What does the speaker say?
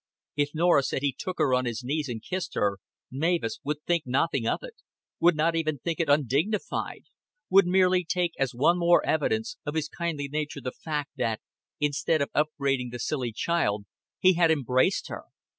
If Norah said he took her on his knees and kissed her, Mavis would think nothing of it would not even think it undignified; would merely take as one more evidence of his kindly nature the fact that, instead of upbraiding the silly child, he had embraced her.